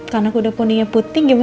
karena kuda poninya putih gimana